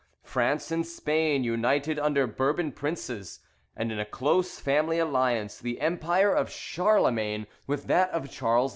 France and Spain united under Bourbon princes, and in a close family alliance the empire of Charlemagne with that of Charles V.